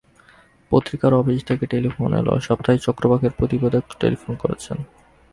পত্রিকার অফিস থেকেও টেলিফোন এল সাপ্তাহিক চক্রবাকের প্রতিবেদক টেলিফোন করেছেন।